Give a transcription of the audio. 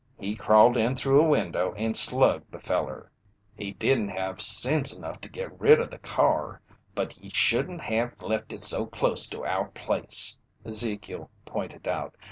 He crawled in through a window, and slugged the feller." "He did have sense enough to git rid o' the car, but ye shouldn't have left it so close to our place," Ezekiel pointed out.